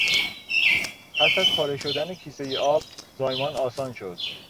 پس از پاره شدن کیسهی آب، زایمان آسان شد.